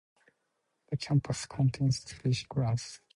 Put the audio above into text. The campus contains spacious grounds, as well as playing fields.